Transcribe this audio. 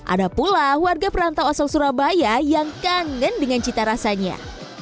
ada pula warga perantau asal surabaya yang kangen dengan cita rasanya